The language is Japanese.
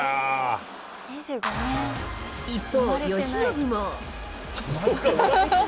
一方、由伸も。